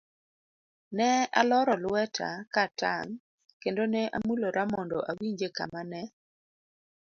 Ne aloro lweta ka atang' kendo ne amulora mondo awinje kama ne